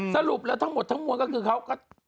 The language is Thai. สรุปแล้วทั้งหมดทั้งมวลก็คือเขาก็